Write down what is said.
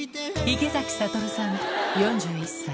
池崎慧さん４１歳。